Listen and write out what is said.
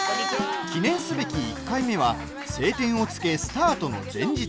記念すべき１回目は「青天を衝け」スタートの前日。